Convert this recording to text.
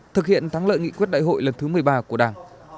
thực hiện thắng lợi nghị quyết đại hội lần thứ một mươi ba của đảng